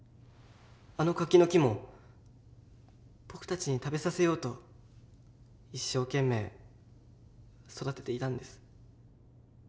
あの柿の木も僕たちに食べさせようと一生懸命育てていたんです。